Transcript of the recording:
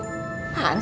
ibu sama bapak becengek